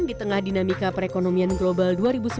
di tengah dinamika perekonomian global dua ribu sembilan belas